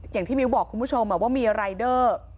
อย่างที่มิ้วบอกคุณผู้ชมว่ามีรายเดอร์